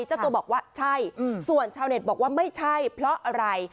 เจ้าตัวบอกว่าใช่ส่วนชาวเน็ตบอกว่าไม่ใช่เพราะอะไร